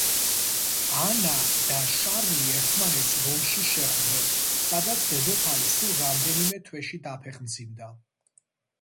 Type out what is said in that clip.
ანა და შარლი ერთმანეთს რომში შეხვდნენ, სადაც დედოფალი სულ რამდენიმე თვეში დაფეხმძიმდა.